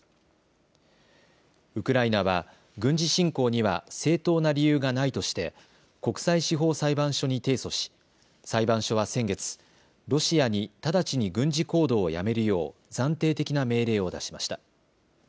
ウクライナは、軍事侵攻には正当な理由がないとして国際司法裁判所に提訴し裁判所は先月、ロシアに直ちに軍事行動をやめるよう暫定的な命令を出しました。